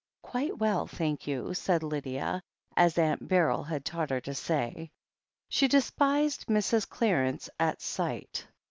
"Quite well, thank you," said Lydia, as Aunt Beryl had taught her to say. She despised Mrs. Clarence at sight.